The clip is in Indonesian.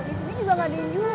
di sini juga gak diinjual